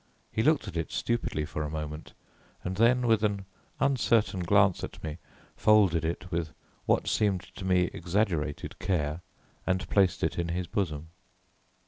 He looked at it stupidly for a moment, and then with an uncertain glance at me, folded it with what seemed to me exaggerated care and placed it in his bosom.